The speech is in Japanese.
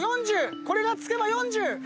これがつけば４０！